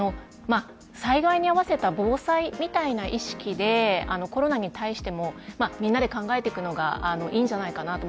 災害に合わせた防災みたいな意識でコロナに対してもみんなで考えていくのがいいんじゃないのかな